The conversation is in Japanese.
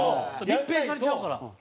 密閉されちゃうから。